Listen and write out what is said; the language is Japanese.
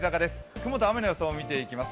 雲と雨の予想を見ていきます。